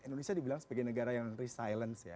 indonesia dibilang sebagai negara yang re silence ya